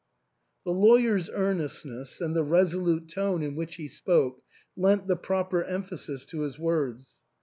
The lawyer's earnestness, and the resolute tone in which he spoke, lent the proper emphasis to his words.